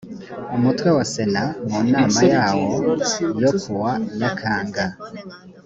umutwe wa sena mu nama yawo yo kuwa nyakanga